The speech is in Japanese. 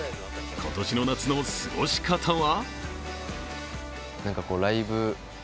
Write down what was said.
今年の夏の過ごし方は？